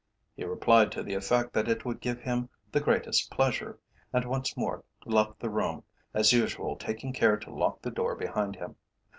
He replied to the effect that it would give him the greatest pleasure, and once more left the room, as usual taking care to lock the door behind him.